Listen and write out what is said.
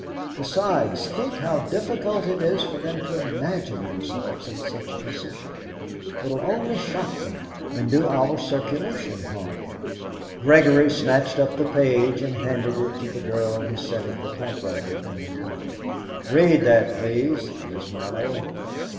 Besides, think how difficult it is for them to imagine themselves in such a position. It'll only shock them, and do our circulation harm." Gregory snatched up the page and handed it to the girl who sat at the typewriter in the corner. "Read that, please, Miss Mallow."